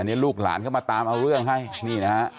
อันนี้ลูกหลานเข้ามาตามเอาเรื่องให้นี่นะฮะ